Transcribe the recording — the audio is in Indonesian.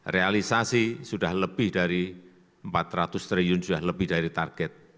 realisasi sudah lebih dari empat ratus triliun sudah lebih dari target